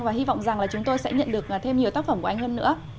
và hy vọng rằng là chúng tôi sẽ nhận được thêm nhiều tác phẩm của anh hơn nữa